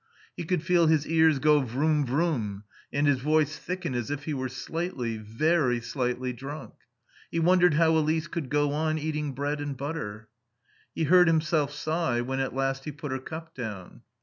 He could feel his ears go "vroom vroom" and his voice thicken as if he were slightly, very slightly drunk. He wondered how Elise could go on eating bread and butter. He heard himself sigh when at last he put her cup down.